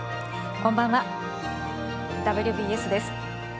こんばんは、「ＷＢＳ」です。